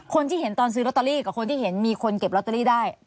คนที่เห็นตอนซื้อลอตเตอรี่กับคนที่เห็นมีคนเก็บลอตเตอรี่ได้